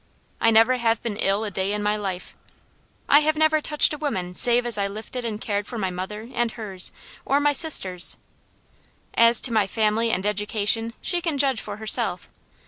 I never have been ill a day in my life. I never have touched a woman save as I lifted and cared for my mother, and hers, or my sisters. As to my family and education she can judge for herself.